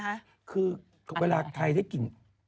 คือเวลาใครได้กลิ่น